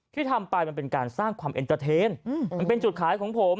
ที่ทำไปมันเป็นการสร้างความเอ็นเตอร์เทนมันเป็นจุดขายของผม